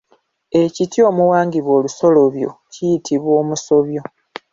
Ekiti omuwangibwa olusolobyo kiyitibwa Omusobyo.